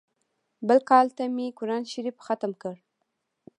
بل کال ته مې قران شريف ختم کړ.